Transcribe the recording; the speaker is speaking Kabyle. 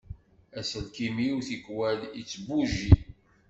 Aselkim-iw tikwal ittbugi.